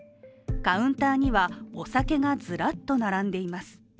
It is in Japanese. カウンターにはお酒がずらっと並んでいます。